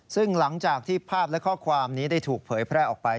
ซึ่งหลังจากที่ภาพและข้อความนี้ได้ถูกเผยแพร่ออกไป